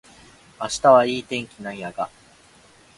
明日はいい天気なんやが